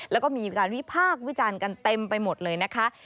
แล้วก็มีการวิพากษ์วิจารณ์กันเต็มไปหมดเลยนะคะ